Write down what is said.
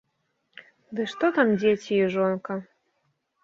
Ды што там дзеці і жонка.